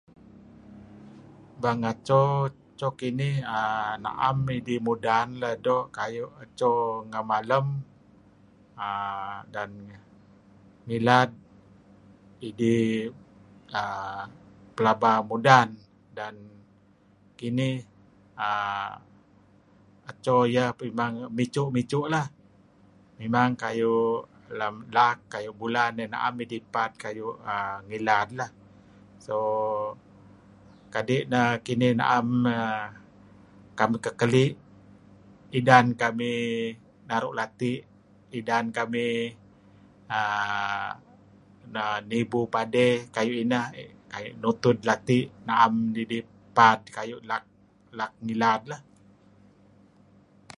Bang aco kinih uhm naem idih mudan lah doo' kayu eco ngamalem uhm dan ngilad idih uhm pelaba mudan dan kinih uhm aco iyah mimang micu'-micu' lah. Mimang kayu' lam laak bulan dih naem idih pad' kayu' ngilad. So kadi' neh kinih naem naem neh kamih kekali' idan kamih naru' lati' idan kamih uhm nanibu padi kayu' ineh dih nutud lati' naem nidih pad kayu' laak ngilad lah.